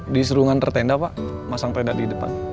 di serungan tertenda pak masang peledak di depan